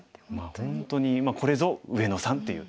本当にこれぞ上野さんっていう。